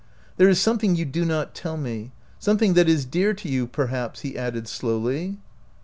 There is something you do not tell me — something that is dear to you, per haps," he added, slowly.